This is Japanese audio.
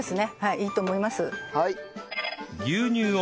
いいと思います。